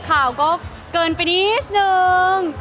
ข่าวก็เกินไปนิดนึง